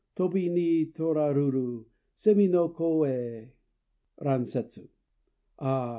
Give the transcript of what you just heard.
Tobi ni toraruru Sémi no koë. RANSETSU. Ah!